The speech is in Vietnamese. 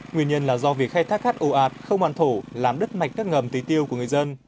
nguyên nhân là do việc khai thác cát ổ ạt không hoàn thổ làm đứt mạch các ngầm tùy tiêu của người dân